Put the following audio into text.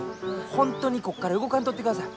本当にここから動かんとってください。